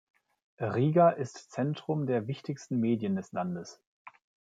Riga ist Zentrum der wichtigsten Medien des Landes.